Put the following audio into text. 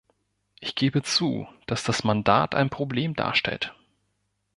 Ich gebe zu, dass das Mandat ein Problem darstellt.